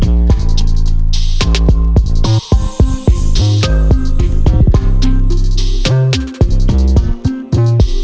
pak beberapa hari lagi berencana akan membuat